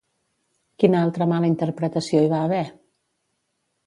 Quina altra mala interpretació hi va haver?